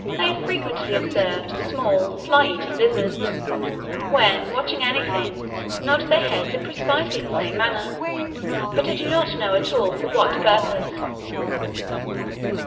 I have frequently observed small fly eating lizards, when watching anything, nod their heads in precisely the same manner; but I do not at all know for what purpose.